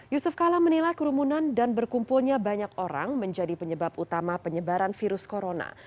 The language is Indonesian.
yusuf kala menilai kerumunan dan berkumpulnya banyak orang menjadi penyebab utama penyebaran virus corona